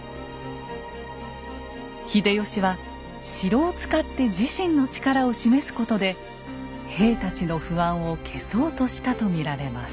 秀吉は城を使って自身の力を示すことで兵たちの不安を消そうとしたと見られます。